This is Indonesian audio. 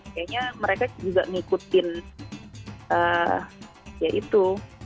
kayaknya mereka juga ngikutin ya itu